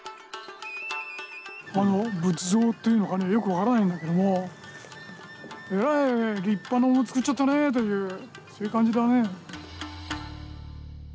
仏像というのかねよく分からないんだけどもえらい立派なものつくっちゃったねっていうそういう感じだね。